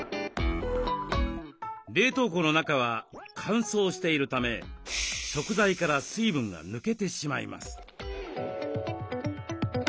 冷凍庫の中は乾燥しているため食材から水分が抜けてしまいます。